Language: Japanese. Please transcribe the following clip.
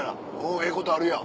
ええことあるやん。